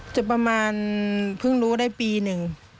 จะประมาณเพิ่งรู้ได้ปีหนึ่ง